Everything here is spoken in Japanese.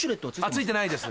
付いてないです。